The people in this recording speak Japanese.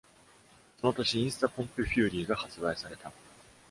その年、インスタ・ポンプ・フューリーが発売された。